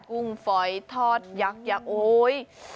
กุ้งฝอยทอดยักษ์โอ๊ย